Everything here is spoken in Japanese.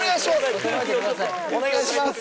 お願いします